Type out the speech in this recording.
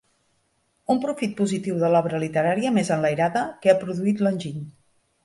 Un profit positiu de l'obra literària més enlairada que ha produït l'enginy.